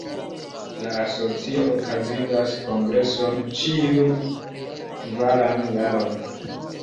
La Asocio okazigas kongreson ĉiun kvaran jaron.